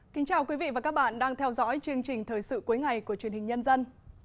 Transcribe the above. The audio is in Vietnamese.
xin chào quý vị và các bạn đang theo dõi chương trình thời sự cuối ngày của truyền hình nhân dân